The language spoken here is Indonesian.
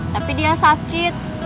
tapi dia sakit